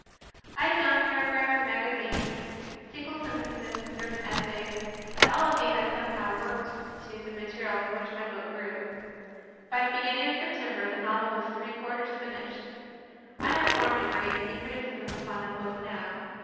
I found paragraphs in magazines, single sentences in certain essays, and all of these I somehow worked into the material from which my book grew. By the beginning of September the novel was three quarters finished. I have formed a great many criticisms upon that book now.